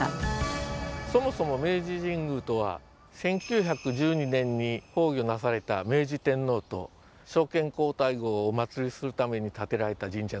そもそも明治神宮とは１９１２年に崩御なされた明治天皇と昭憲皇太后をお祀りするために建てられた神社なんです。